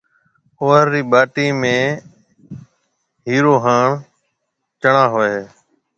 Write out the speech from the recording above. اوھر رِي ٻاٽِي ۾ ھيَََِرو ھان چڻاھوئي ھيََََ